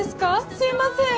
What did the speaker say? すいません！